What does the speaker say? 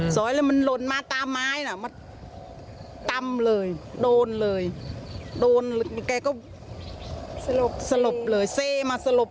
ซอยมันลนมาตามไม้นะตำเลยโดนเลยโดนอันหนึ่งแกก็สลบเลยเส้มาสลบ